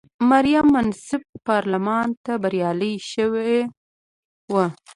مریم منصف پارلمان ته بریالی شوې وه.